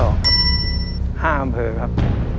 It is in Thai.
๕อำเภอครับ